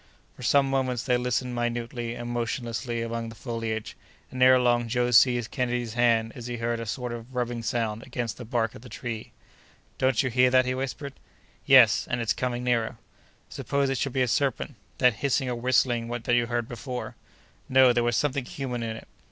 For some moments they listened minutely and motionlessly among the foliage, and ere long Joe seized Kenedy's hand as he heard a sort of rubbing sound against the bark of the tree. "Don't you hear that?" he whispered. "Yes, and it's coming nearer." "Suppose it should be a serpent? That hissing or whistling that you heard before—" "No! there was something human in it."